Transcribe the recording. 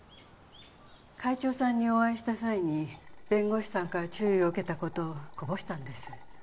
会長さんにお会いした際に弁護士さんから注意を受けたことをこぼしたんです